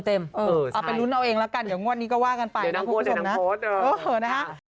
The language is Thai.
เอาไปลุ้นเอาเองแล้วกันเดี๋ยวงวดนี้ก็ว่ากันไปนะคุณผู้ชมนะ